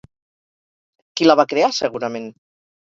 Qui la va crear, segurament?